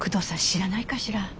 知らないかしら？